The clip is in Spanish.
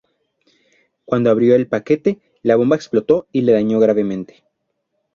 Cuando abrió el paquete la bomba explotó y le dañó gravemente.